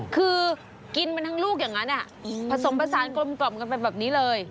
คือกินมันทั้งลูกอย่างนั้นผสมผสานกลมกันไปแบบนี้เลย